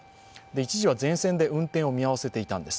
一時は全線で運転を見合わせていたんです。